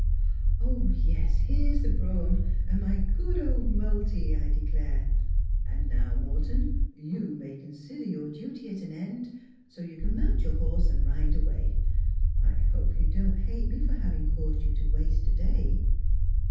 'Yes, here is the brougham, and my good old Moulty, I declare ; and now, Morton, you may consider your duty at an end : so you can mount your horse, and ride away. I hope you don't hate me for having caused you to waste a day.'